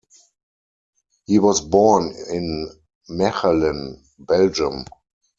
He was born in Mechelen, Belgium.